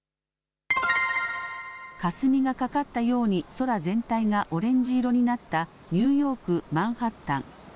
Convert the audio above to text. かすみがかかったように空全体がオレンジ色になったニューヨーク、マンハッタン。